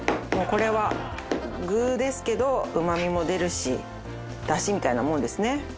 これは具ですけどうまみも出るしダシみたいなものですね。